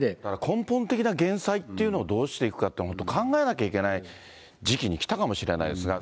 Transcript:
根本的な減災っていうのをどうしていくかって、本当考えなきゃいけない時期にきたかもしれないですが。